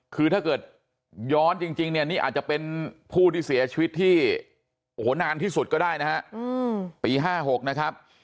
คือถ้าเกิดย้อนจริงเนี่ยนี่อาจจะเป็นผู้ที่เสียชีวิตที่โอ้โหนานที่สุดก็ได้นะฮะปี๕๖นะครับ